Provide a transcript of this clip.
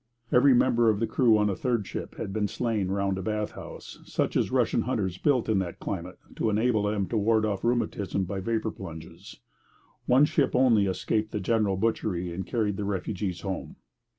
Every member of the crew on a third ship had been slain round a bath house, such as Russian hunters built in that climate to enable them to ward off rheumatism by vapour plunges. One ship only escaped the general butchery and carried the refugees home.